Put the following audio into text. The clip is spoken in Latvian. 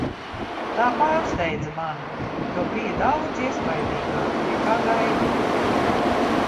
Tā pārsteidza mani, jo bija daudz iespaidīgāka, nekā gaidīju.